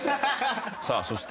さあそして。